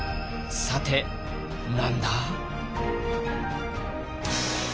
さて何だ？